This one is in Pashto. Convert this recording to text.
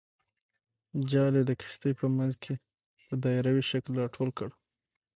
جال یې د کښتۍ په منځ کې په دایروي شکل راټول کړ.